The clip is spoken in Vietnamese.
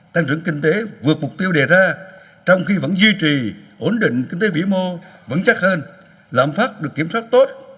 tăng trưởng kinh tế vượt mục tiêu đề ra trong khi vẫn duy trì ổn định kinh tế vĩ mô vững chắc hơn lãm phát được kiểm soát tốt